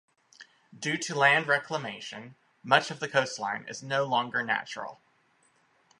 Due to land reclamation much of the coastline is no longer natural.